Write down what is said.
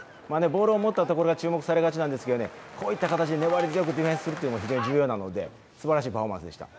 ボールを持ったところが注目されがちなんですけどこういった形で粘り強いディフェンスというのも非常に重要なのですばらしいパフォーマンスでした。